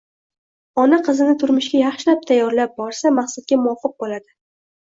Ona qizini turmushga yaxshilab tayyorlab borsa, maqsadga muvofiq bo‘ladi.